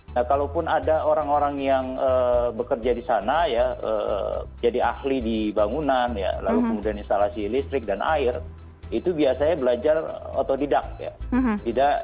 nah kalaupun ada orang orang yang bekerja di sana ya jadi ahli di bangunan ya lalu kemudian instalasi listrik dan air itu biasanya belajar otodidak ya